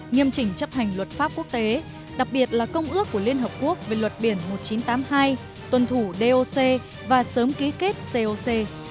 nghiêm chỉnh chấp hành luật pháp quốc tế đặc biệt là công ước của liên hợp quốc về luật biển một nghìn chín trăm tám mươi hai tuân thủ doc và sớm ký kết coc